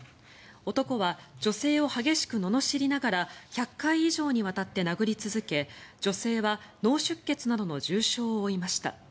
男は女性を激しくののしりながら１００回以上にわたって殴り続け女性は脳出血などの重傷を負いました。